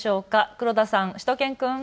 黒田さん、しゅと犬くん。